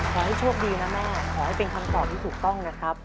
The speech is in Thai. ขอให้โชคดีนะแม่ขอให้เป็นคำตอบที่ถูกต้องนะครับ